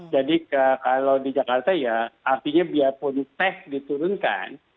jadi kalau di jakarta ya artinya biarpun tes diturunkan